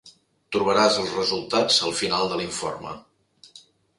Trobaràs els resultats al final de l'informe.